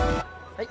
はい。